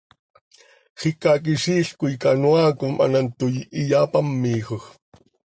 Xicaquiziil coi canoaa com an hant toii, iyapámijoj.